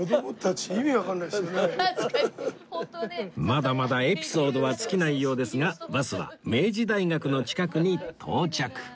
まだまだエピソードは尽きないようですがバスは明治大学の近くに到着